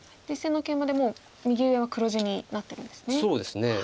実戦のケイマでもう右上は黒地になってるんですね。